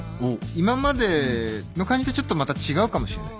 今までの感じとちょっとまた違うかもしれない。